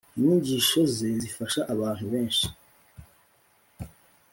Inyigisho ze zifasha abantu benshi